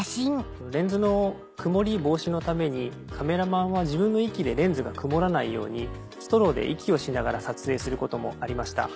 レンズの曇り防止のためにカメラマンは自分の息でレンズが曇らないようにストローで息をしながら撮影することもありました。